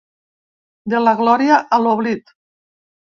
De la glòria a l’oblit.